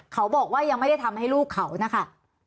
เขาบอกว่ายังไม่ได้ทำให้ลูกเขานะคะ